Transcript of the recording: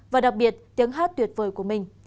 và đặc biệt tiếng hát tuyệt vời của mình